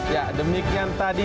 ya demikian tadi